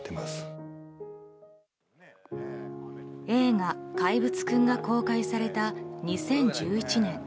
映画「怪物くん」が公開された２０１１年。